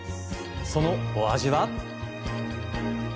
そのお味は。